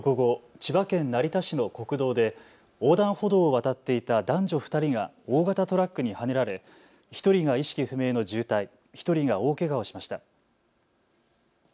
きょう午後、千葉県成田市の国道で横断歩道を渡っていた男女２人が大型トラックにはねられ１人が意識不明の重体、１人が大けがをしました。